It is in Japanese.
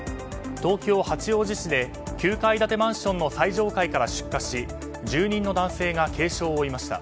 東京・八王子市で９階建てマンションの最上階から出火し住人の男性が軽傷を負いました。